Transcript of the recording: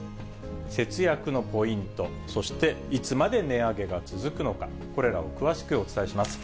節約のポイント、そしていつまで値上げが続くのか、これらを詳しくお伝えします。